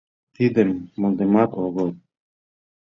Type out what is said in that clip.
Тидым мондыман огыл...